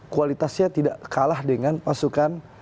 kualitasnya tidak kalah dengan pasukan